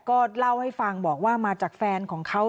ก็เล่าให้ฟังบอกว่ามาจากแฟนของเขา